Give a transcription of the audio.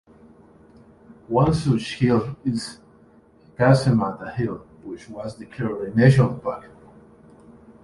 One such hill is Cassamata Hill which was declared a national park.